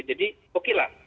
jadi oke lah